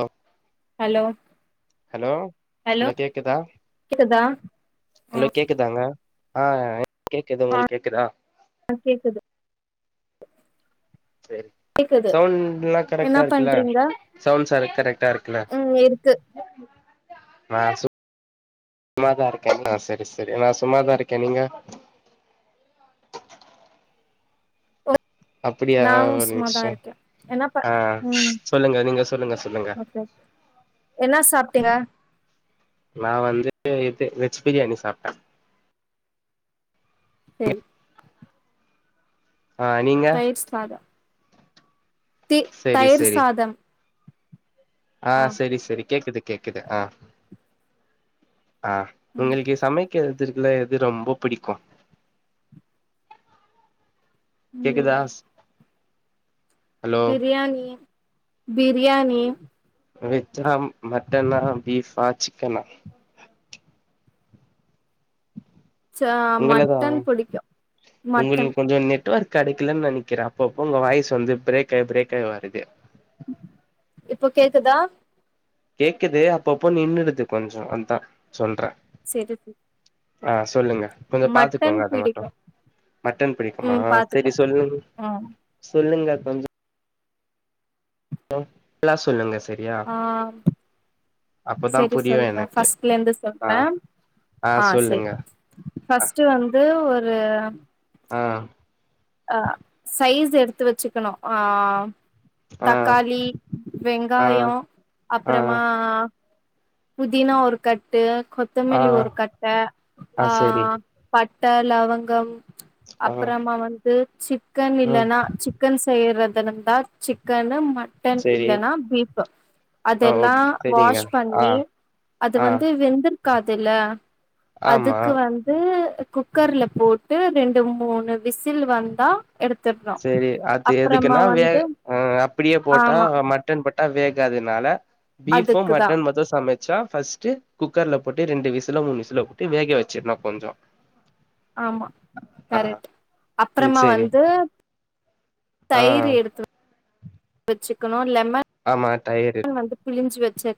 ஓ hello hello hello கேக்குதா கேக்குதா ஆ ஹலோ கேக்குதாங்க ஆ கேக்குது உங்களுக்கு கேக்குதா ஆ கேக்குது செரி கேக்குது சவுண்ட்லா என்ன கரெக்டா இருக்குல்ல பண்றீங்க சவுண்ட் ச கரெக்டா இருக்குல்ல ம் இருக்கு ஆ சு ம்மாதா இருக்கே ஆ சரி சரி நா சும்மாதா இருக்கே நீங்க அப்டியா நானு ஒரு சும்மாதா நிமிஷோ இருக்கே என்ன ப ஆ ம் சொல்லுங்க நீங்க சொல்லுங்க சொல்லுங்க ஓகே ஓகே என்னா சாப்ட்டீங்க நா வந்து இது வெஜ் பிரியாணி சாப்ட்டே சேரி ஆ நீங்க தயிர்சாத தி சேரி தயிர் சேரி சாதம் ஆ செரி செரி கேக்குது கேக்குது ஆ ஆ ம் உங்களுக்கு சமைக் கிறதுல எது ரொம்போ பிடிக்கு ம் கேக்குதாஸ் பிரியாணி பிரியாணி வெஜ்ஜா மட்டனா பீஃபா சிக்கனா ச உங்கள தா மட்டன் புடிக்கு மட்டன் உங்களுக் கொஞ்சோ நெட் ஒர்க் கடைக்கலன் நனைக்கிறே அப்பப்போ உங்க வாய்ஸ் வந்து பிரேக் ஆகி பிரேக் ஆகி வருது இப்ப கேக்குதா கேக்குது அப்பப்போ நின்னுடுது கொஞ்சோ அதா சொல்ற செரி [inaudible] ஆ சொல்லுங்க கொஞ்சோ மட்டன் பாத்துக்கோங்க அத மட்டு பிடிக்கு மட்டன் பிடிக்குமா ம் பாத்துட்டே செரி சொல்லுங் ம் சொல்லுங்க கொஞ்சோ லா சொல்லுங்க செரியா ஆ அப்பதா செரி புரியு சொல்ற எனக்கு ஃபஸ்ட்லந்து சொல்ற ஆ ஆ செரி ஆ ஃபஸ்ட்டு வந்து ஒரு ஆ அ சைஸ் எடுத்து வச்சுக்கணு ஆ ஆ தக்காளி ஆ வெங்காயோ ஆ அப்புறமா புதினா ஒரு கட்டு ஆ கொத்தமல்லி ஒரு கட்ட ஆ பட்ட லவங்கம் ஆ அப்புறமா வந்து சிக்கன் ம் இல்லன்னா சிக்கன் செய்றது இருந்தா சிக்கனு மட்டன் செரி இல்லன்னா பீஃபு ஆ அதெல்லா ஓக் செரிங்க வாஷ் ஆ பண்ணி அது ஆ வந்து வெந்துரு காதுல்ல ஆமா அதுக்கு வந் து குக்கர்ல போட்டு ரெண்டு மூணு விசில் வந்தா எடுத்துட்ணு சேரி அது அப்பறமா எதுக்குனா வேக வந்து அ அப்டியே போட்டா ஆமா மட் மடன் போட்டா வேகாதனால பீஃபு அதுக்குதா மட்டன் மட்டு சம ச்சா ஃபஸ்ட்டு குக்கர்ல போட்டு ரெண்டு விசுலோ மூணு விசுலோ போட்டு வேக வச்சிர்னு கொஞ்சோ ஆமா ஆ கரெக்ட்டு ம் அப்புறமா சேரி வந்து ஆ தயிர் எடுத்து வச்சுக்கணு லெமன் ஆமா தயிரு வந்து பிலிஞ்சு வச்சு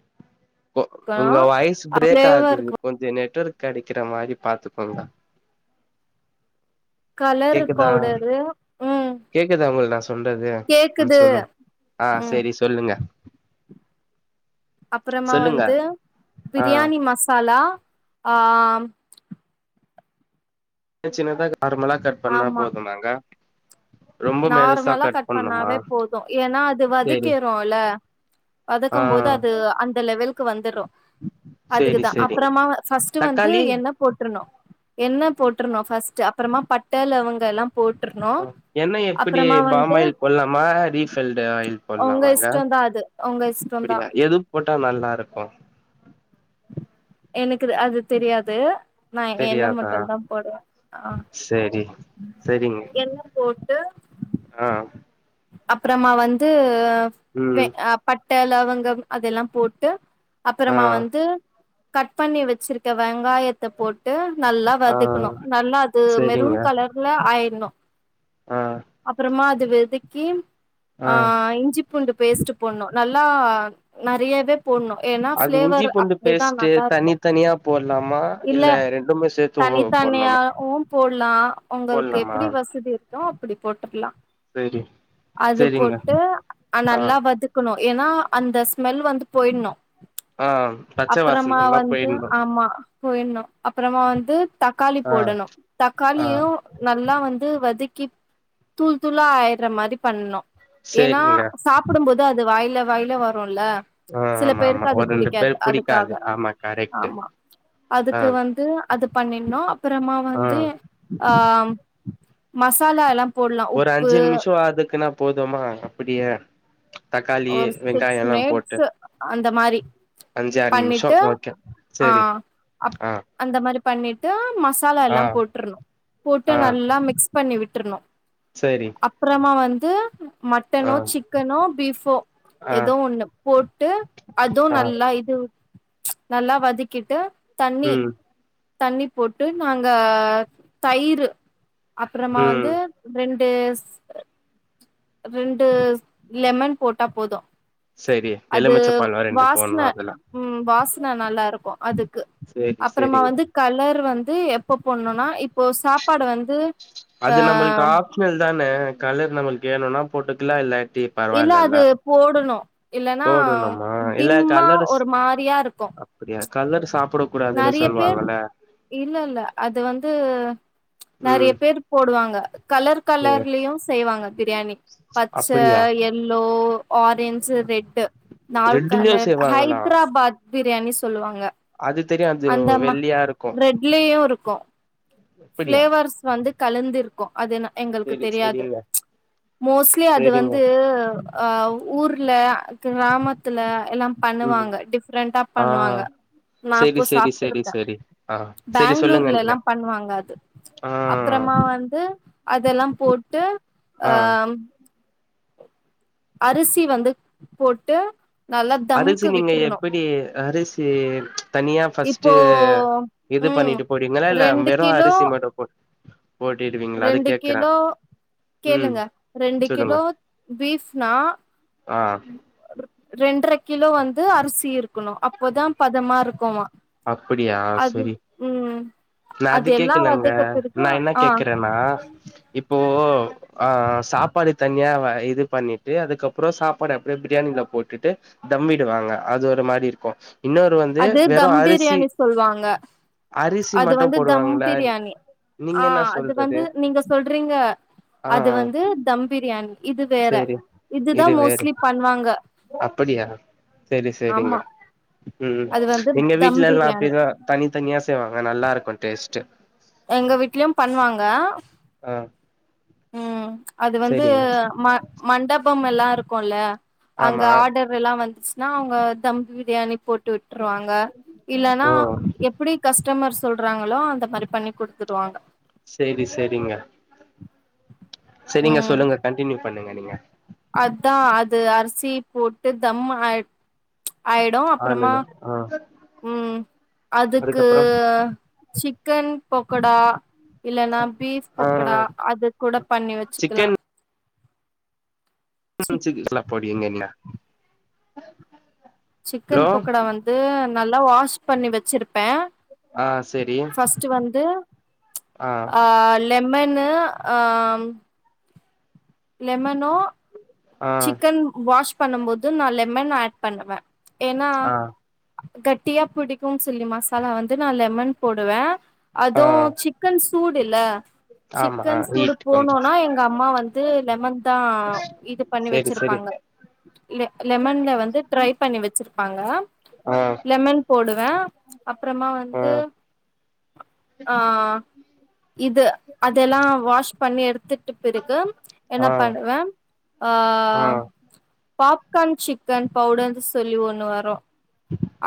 உங்க வாய்ஸ் பிரேக் ஆகுது ஃபிளேவருக்கு கொஞ்சோ நெட்ஒர்க் கெடைக்கிற மாரி பாத்துக்கோ தா கலர் கேக்குதா பவுடரு ம் கேக்குதா முல் நா சொல்றது ம் கேக்குது சொல்லு ஆ ம் செரி சொல்லுங்க அப்புறமா சொல்லுங்க வந்து ஆ பிரியாணி மசாலா அ சின்ன சின்னதாக நார்மலா கட் பண்ணா ஆமா போது தாங்க நார்மலா கட் பண்ணாவே போது ஏன்னா அது சேரி வதக்கிரோல ஆ வதக்கும் போது அது அந்த லெவலுக்கு வந்துரு சேரி அதுக்குதா சேரிங் அப்புறமா வ ஃபஸ்ட்ட் வந்து தக்காளி எண்ணெ போட்டுர்ணு எண்ணெ போட்டுர்ணு ஃர்ஸ்ட்டு அப்புறமா பட்ட லவங்க எல்லா போட்டுர்ணு எண்ணெ எப்படி பாம் ஆயில் போட்லாமா ரீஃபைல்டு ஆயில் உங்க போட்லாமாங்க இஷ்டந்தா அது உங்க இஷ்டோந்தா கூட்டா நல்லா இருக்கு எனக்கு அது தெரியாது நா எண்ண மட்டுதா போடுவே ஆ சரி சரிங்க எண்ண போட்டு ஆ அப்புறமா வந்து வெ ம் அ பட்ட லவங்கம் அதெல்லா போட்டு ஆ அப்புறமா வந்து கட் பண்ணி வெச்சிருக்க வெங்காயத்த போட் டு நல்லா ஆ வெதக்கணு நல்லா அது சேரிங்க மெரூன் கலர்ல ஆயிர்ணு ஆ அப்புறமா அது வெதக்கி ஆ இஞ்சி பூண்டு பேஸ்ட்டு போட்னு நல்லா நெறையவே போட்னு ஏன்னா அது இஞ்சி ஃபிளேவர் பூண்டு அப்டிதா பேஸ்ட்டு நல்லா இருத்து தனித்தனியா போட்லாமா இல்ல ரெண்டுமே சேத்து போட்லாமா தனித்தனியவு போட்லா உங்களுக்கு போட்லாமா எப்டி வசதி இருக்கோ அப்டி போட்டுக்கலா சரி அது போட்டு நல்லா வதக்கணு ஏன்னா அந்த ஸ்மெல் வந்து போயிட்ணு ஆ பச்ச அப்புறமா வாசனல்லா வந்து போயிட்ணு ஆமா போயிட்ணு அப்புறமா வந்து தக்காளி ஆ போடணு ஆ தக்காளியு நல்லா வந்து வதக்கி தூள் தூளா ஆயிட்ற மாரி பண்ணு ஏன்னா சேரிங்க சாப்புடும் போது அது வாயில வாயில வருல ஆ சில ஆமா ஆமா பேருக்கு அது ஒரு ரெண்டு புடிக்காது பேர் புடிக்காது அதுக்காக ஆமா கரெக்ட்டு ஆமா ஆ அதுக்கு வந்து அது பண்ணிட்ணு அப்புறமா ஆ வந்து ஆ மசாலா எல்லா ஒரு உப்பு அஞ்சு நிமிஷ அதுக்குன்னா போதுமா அப்டியே தக்காளி ஒரு சிக்ஸ் வெங்காயோல்லா போட்டு மினிட்ஸ் அந்த மாரி அஞ்சு ஆறு நிமிஷ பண்ணிட்டு ஓகே ஆ சரி அப் ஆ அந்த மாரி பண்ணிட்டு மசாலா ஆ எல்லா போட்டுர்ணு போட்டு நல்லா மிக்ஸ் பண்ணி விட்டுர்ணு சரி அப்புறமா வந்து மட்டனோ சிக்கனோ ஃபீபோ ஆ எதோ ஒண்ணு போட்டு அதுவு ஆ நல்லா இது நல்லா வதக்கிட்டு தண்ணி ம் தண்ணி போட்டு நாங்க தயிரு அப்புறமா ம் வந்து ரெண்டு ச் ரெண்டு லெமன் போட்டா போது சரி அது வாச்ன ம் வாசன நல்லா இருக்கு அதுக்கு சேரி அப்புறமா சேரிங்க வந்து கலர் வந்து எப்ப போட்னுனா இப்போ சாப்பாடு வந்து ஆ அது நம்மளுக்கு ஆப்ஷனல் தானே கலர் நம்மளுக்கு வேணுனா போட்டுக்கலா இல்லாட்டி இல்ல பரவாயில்லல்ல அது போடணு இல்லன்னா போடணுமா டிம்மா ஒரு மாரியா இருக்கு அப்டியா கலர் சாப்புட நறைய பேர் இல்ல இல்ல அது வந்து நறைய ம் பேர் போடுவாங்க கலர் சரி கலர்லயு செய்வாங்க பிரியாணி பச்ச, அப்படியா எல்லோ, ஆரஞ்சு, ரெட்டு நால் ரெட்டுலயு கலர் செய்வாங்களா ஹைத்ராபாத் பிரியாணி சொல்லுவாங்க அது தெரியு அது வெள்ளியா இருக்கு இலயு இருக்கோ [inaudible] ஃபிளேவர்ஸ் வந்து கலந்து இரு க்கு அது ந எங்களுக்கு சரி தெரியாது சரிங்க மோஸ்ட்லி அது சரிங்க வந்து ஆ ஊர்ல கிராமத்துல எல்லாம் ம் பண்ணுவாங்க டிஃப்ரெண்டாப் ஆ பண்ணுவாங்க நா சரி அப்போ சரி சரி சாப்ட்டுருக்கே சரி ஆ சரி சொல்லுங்க நீங்க பெங்களூர்லெல்லாம் பண்ணுவாங்க அது ஆ அப்றமா வந்து அதெல்லாம் போட்டு ஆ அம் அரிசி வந்துக் போட்டு நல்லா அரிசி தம்க்கு நீங்க விட்றணு எப்பிடி அரிசி தனியா இப்போ ஃபஸ்ட்டு இது ம் பண்ணிட்டு போடுவிங்களா இல்ல ரெண்டு வெறு கிலோ அரிசி மட்டும் போட் ரெண்டு கிலோ ம் கேளுங்க ரெண்டு சொல்லுங்க கிலோ பீஃப்னா ஆ ரெண்டர கிலோ வந்து அரிசி இருக்குணு அப்போதாம் பதமா இருக்குமா அப்பிடியா அது செரி ம் நா அது எல்லா கேக்கலங்க வதக்க பிறகு நா என்ன ஆ கேக்கறன்னா இப் [inaudible] போ ஆ சாப்பாடுத் தனியாவ இதுப் பண்ணிட்டு அதுக்கப்றோ சாப்பாடு அப்டியேப் பிரியாணில போட்டுட்டு தம் விடுவாங்க அது ஒரு மாரி இருக்கு இன்னொரு வந்து அது வேர் தம் பிரியாணி சொல்வாங்க அரிசி அது மட்டு வந்து தம் போடுவாங்கள பிரியாணி நீங்க ஆ என்ன அது சொல்றது வந்து நீங்க சொல்றீங்க ஆ ஆ அது வந்து தம் பிரியாணி இது வேற சேரி இதுதாம் மோஸ்ட்லி பண்வாங்க புடியா செரி செரிங்க ம் அது வந்து எங்க தம் வீட்லலா பிரியாணி அப்டிதா தனித்தனியா செய்வாங்க நல்லாருக்கு டேஸ்ட்டு எங்க வீட்லியும் பண்வாங்க ஆ ம் அது வந்து சேரிங்க ம மண்டபம்மெல்லா இருக்குல்ல அங்க ஆமா ஆடர் அப்ரிலா வந்துச்சுனா அவுங்க தம் பிரியாணிப் போட்டு விட்ருவாங்க இல்லனா ஓ எப் ப்டி கஸ்டமர் சொல்றாங்களோ அந்த மாரிப் பண்ணிக் குடுத்துடுவாங்க சேரி செரிங்க [inaudible] செரிங்க சொல்லுங்க கண்டினியூ பண்ணுங்க நீங்க அதா அது அரிசிப் போட்டு தம்ம அட் ஆயிடு அப்றமா ஆனுதா ஆ ம் அதுக்கு அதுக்கப்புறம் சிக்கன் பக்கொடா இல்லனா பீஃப் ஆ பொக்கடா அதுக் கூடப் பண்ணி வெச்சுக்கிலா சிக்கன் சிக் [unintelligible] போடுவிங்க என்ன சிக்கன் பொக்கடா வந்து நல்லா வாஷ் பண்ணி வெச்சிருப்பே ஆ செரி ஃபஸ்ட்டு வந்து ஆ லெமனு அம் லெமனோ ஆ சிக்கன் வாஷ் பண்ணும்போது நா லெமன் ஆட் பண்ணுவே எனா ஆ கட்டியாப் புடிக்கும் சொல்லி மசாலா வந்து நா லெமன் போடுவே ஆ அதுவு சிக் க்கன் சூடு இல்ல ஆமா சிக்கன் ஈட் சூடுப் கொஞ்சோ போனோனா எங்க அம்மா வந் து லெமன்தா இதுப் பண்ணி செரி செரி வெச்சிருப்பாங்க இரே லெமன்ல வந்து ட்ரைப் பண்ணி வெச்சிருப்பாங்க ஆ லெமன் போடுவே அப்றமா ஆ வந்து ஆ இது அதெல்லா வாஷ் பண்ணி எடுத்துட்டுப் பிறக்கு ஆ என்னப் பண்ணுவே அ ஆ பாப்கார்ன் சிக்கன் பவுடர்னு சொல்லி ஒன்னு வரு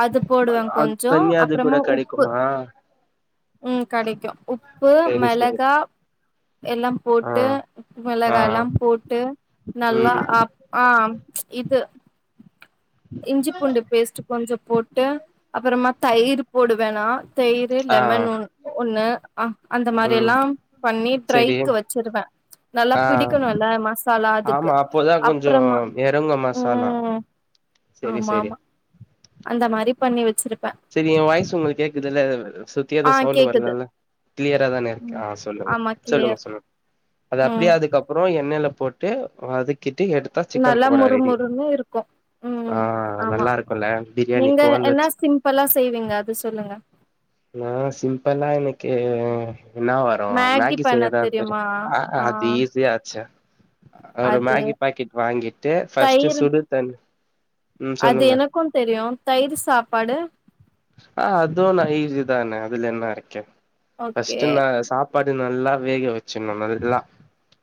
அது போடுவே அது கொஞ்சோ தனியா அது கூட அப்பறமா உப்பு கெடைக்குமா உம் கெடைக்கு உப்பு செரி செரி மிளகா எல்லாம் ஆ போட்டு ஆ மிளகா எல்லா போட்டு நல்லா ம் ஆ இது இஞ்சி பூண்டு பேஸ்ட்ட் கொஞ்சொ போட்டு அப்பறமா தயிர் போடுவே நா தயி ரு ஆ லெமன் ஒ ஒண்ணு ஆ அந்த மாரி ம் எல்லா பண்ணி செரி ட்ரைக்கு வெச்சிருவே நல்லா ஆ பிடிக்கணுல்ல மசாலா அதுக்கு ஆமா அப்போதா கொஞ்சோ அப்பறமா எறங்கு மசாலா உம் செரி ஆமா செரி ஆமா அந்த மாரி பண்ணி வெச்சிருப்பே சரி என் வாய்ஸ் உங்குளுக்கு கேக்குதுல்ல சுத்தியெது ஆ சவுண்டு கேக்குது வரலல்ல கிளியரா தானே இருக்கு ம் ஆ சொல்லுங்க ஆமா சொல்லுங்க கிளியர் சொல்லுங்க அது அப்டியே ம் அதுக்கப் ற எண்ணெயில போட்டு வதக்கிட்டு எடு நல்லா மொறுமொறுன்னு இருக்கு ஆ உம் ஆமா நல்லா இருக்குல்ல நீங்க பிரியாணிக்கோ அந்த என்ன சி சிம் பளா செய்வீங்க அது சொல்லுங்க நா சிம்பளா இன்னிகி என்னா வரு மேகி பண்ண செய்யாத தெரியு தெரியுமா ஆ அது ஈஸியா ஆச்சே ஒரு அது மேகி பாக்கெட் வாங்கிட்டு ஃபர்ஸ்ட்டு தயிர் சுடு தண் அது எனக்கு தெரியு தயிர் சாப்பாடு ஆ அதுவு நா ஈசி தான அதுல என்ன அரைக்க ஓகே ஃபஸ்ட்டு நா சாப் பாடு நல்லா வேக வெச்சிண்ணோ நல்லா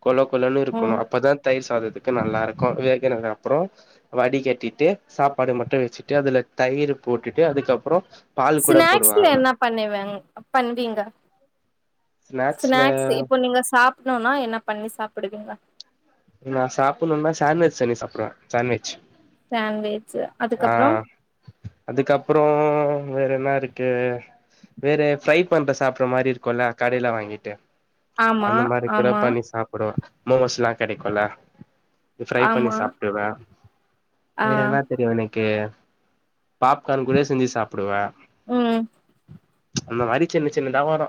கொல கொலன்னு ம் இருக்கணு அப்பதா தயிர் சாதத்துக்கு நல்லா இருக்கு வேகனதுக்கு அப்பற வடி கட்டிட்டு சாப்பாடு மட்டு வெச்சுட்டு அதுல தயிரு போட்டுட்டு அதுக்கப்பறோ ஸ்நாக்ஸ்ல என்ன பண்ணுவ பண்வீங்க ஸ்நாக்ஸ்ல ஸ்நாக்ஸ் இப்போ நீங்க சாப்பணும்னா என்ன பண்ணி சாப்பிடுவீங்க நா சாப்பணுனா சேண்வெஜ் செஞ்சி சாப்டுவ சேண்வெஜ் சேண்வெ ஆ அதுக்கப்பறோ வேற என்ன இருக்கு வேற ஃப்ரை பண்ற சாப்பற மாரி இருக்குல்ல கடையில்ல வாங்கிட்டு ஆமா அந்த மாரி கூட ஆமா பண்ணி சாப்டுவ மோமோஸ்ல்லா கெடைக்குல ஃப்ரை பண்ணி ஆமா சாப்டுவ ஆ வேற என்ன தெரியு எனக்கு பாப்கார்ன் கூட செஞ்சு சாப்புடுவ ம் அந்த மாரி சின்ன சின்னதா வரு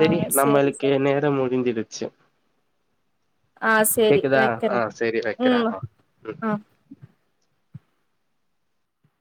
ஆ சேரி நம்மளுக்கு சேரி நேரம் முடிஞ்சிடுச்சு ஆ சேரி கேக்குதா வெக்கறே ஆ சரி வைக்கிறே உம் ஆ ம் ஆ